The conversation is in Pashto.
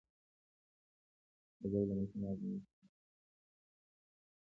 دا ځای له مکې معظمې شاوخوا شل کیلومتره لرې دی.